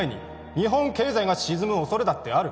日本経済が沈む恐れだってある